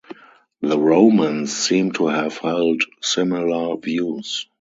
The Romans seem to have held similar views.